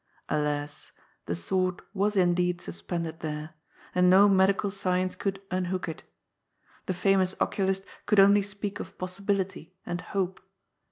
Alas ! the sword was indeed suspended there, and no medical science could unhook it. The famous oculist could only speak of possibility and hope.